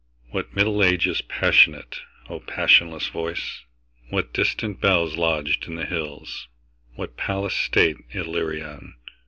What Middle Ages passionate,O passionless voice! What distant bellsLodged in the hills, what palace stateIllyrian!